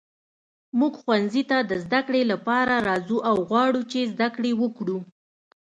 موږ ښوونځي ته د زده کړې لپاره راځو او غواړو چې زده کړې وکړو.